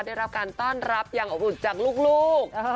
ได้รับการต้อนรับอย่างอบอุ่นจากลูก